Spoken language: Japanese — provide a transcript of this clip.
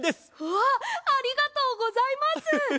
わっありがとうございます！